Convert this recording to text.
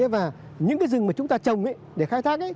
và những cái rừng mà chúng ta trồng để khai thác ấy